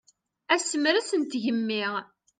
Asemres n tgemmi.